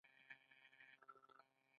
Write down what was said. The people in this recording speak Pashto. په دې دوره کې د حمل او نقل پرمختګ وشو.